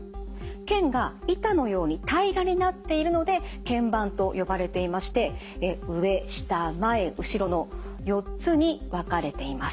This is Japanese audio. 腱が板のように平らになっているのでけん板と呼ばれていまして上下前後ろの４つに分かれています。